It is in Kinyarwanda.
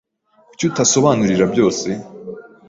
Kuki utasobanurira byose?